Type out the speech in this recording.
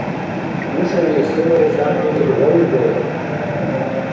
Нушани се барес гӀягӀнилил балулраяв?